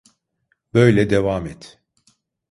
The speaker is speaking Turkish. Böyle devam et.